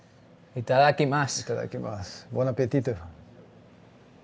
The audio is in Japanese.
いただきます。